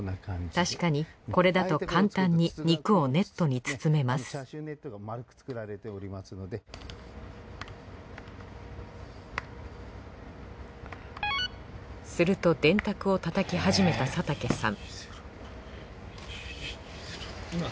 確かにこれだと簡単に肉をネットに包めますすると電卓をたたき始めた佐竹さん